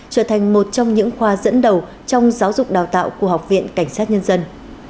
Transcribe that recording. trở thành một trong những khoa dẫn đầu trong giáo dục đào tạo của học viện cảnh sát nhân dân